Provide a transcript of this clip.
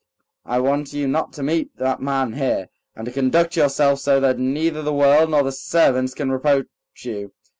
"I want you not to meet that man here, and to conduct yourself so that neither the world nor the servants can reproach you